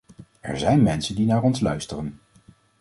Er zijn mensen die naar ons luisteren!